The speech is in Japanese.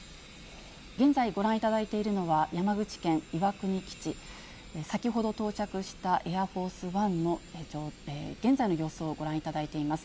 現在、ご覧いただいているのは、山口県岩国基地、先ほど到着したエアフォースワンの、現在の様子をご覧いただいています。